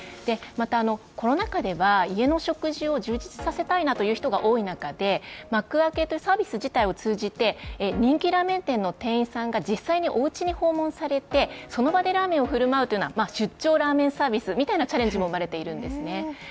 また、コロナ禍では家の食事を充実させたいなという人が多い中でマクアケで、サービス自体を通じて、人気ラーメン店の店員さんが、実際におうちに訪問されてその場でラーメンを振る舞うような出張ラーメンサービスのようなチャレンジも生まれているんですね。